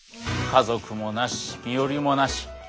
家族もなし身寄りもなし。